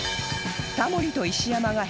タモリと石山が